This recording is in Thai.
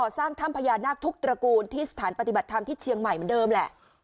สร้างถ้ำพญานาคทุกตระกูลที่สถานปฏิบัติธรรมที่เชียงใหม่เหมือนเดิมแหละ